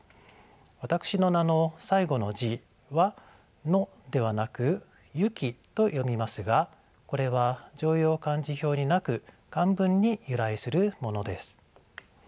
私の名の最後の字は「の」ではなく「ゆき」と読みますがこれは常用漢字表になく漢文に由来するものです。